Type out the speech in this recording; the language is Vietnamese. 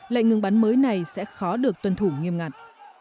lệnh ngừng bắn mới này sẽ khó được tuân thủ nghiêm ngặt